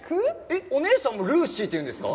えっお姉さんもルーシーっていうんですか？